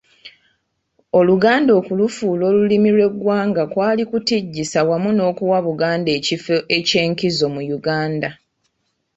Oluganda okulufuula olulimi lw'eggwanga kwali kutijjisa wamu n'okuwa Buganda ekifo eky'enkizo mu Uganda.